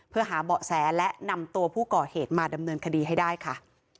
เพื่อหาเบาะแสและนำตัวผู้ก่อเหตุมาดำเนินคดีให้ได้ค่ะ